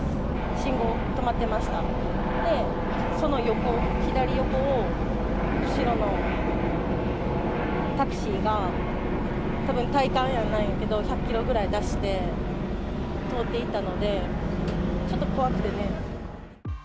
信号、止まってましたんで、その横、左横を白のタクシーがたぶん、体感やないけど、１００キロくらい出して、通っていったので、ちょっと怖くてね。